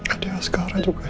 adiknya sekarang juga hilang